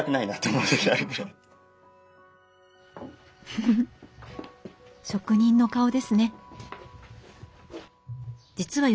フフ職人の顔ですね。